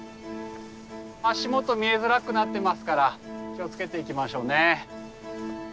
足元見えづらくなってますから気を付けて行きましょうね。